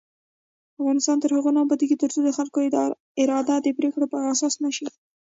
افغانستان تر هغو نه ابادیږي، ترڅو د خلکو اراده د پریکړو اساس نشي.